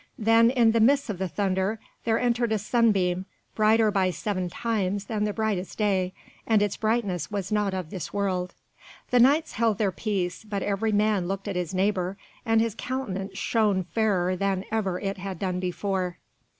Then, in the midst of the thunder, there entered a sunbeam, brighter by seven times than the brightest day, and its brightness was not of this world. The Knights held their peace, but every man looked at his neighbour, and his countenance shone fairer than ever it had done before.